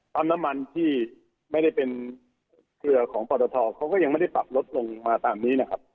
ปั๊มน้ำมันที่ไม่ได้เป็นเครือของปตทเขาก็ยังไม่ได้ปรับลดลงมาตามนี้นะครับ